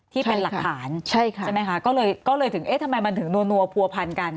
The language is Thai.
ที่เป็นหลักฐานใช่ค่ะใช่ไหมคะก็เลยก็เลยถึงเอ๊ะทำไมมันถึงนัวผัวพันกัน